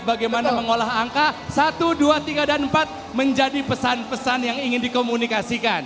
bagaimana mengolah angka satu dua tiga dan empat menjadi pesan pesan yang ingin dikomunikasikan